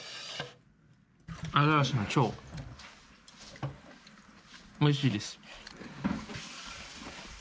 アザラシの腸おいしいです。